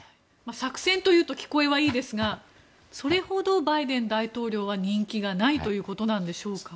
作戦というと聞こえはいいですがそれほどバイデン大統領は人気がないということですか。